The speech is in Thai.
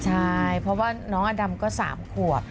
ใช่เพราะว่าน้องอดำก็๓ขวบ